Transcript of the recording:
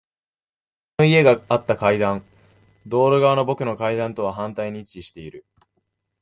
君の家があった階段。道路側の僕の階段とは反対に位置している。